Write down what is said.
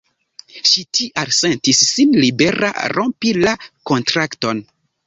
Ŝi tial sentis sin libera rompi la kontrakton.